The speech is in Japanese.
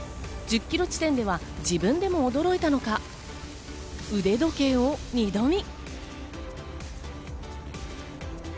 １０ｋｍ地点では自分でも驚いたのか、腕時計を二度見。